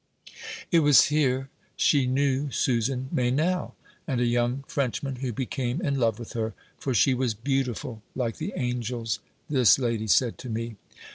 It was here she knew Susan Meynell, and a young Frenchman who became in love with her, for she was beautiful like the angels, this lady said to me.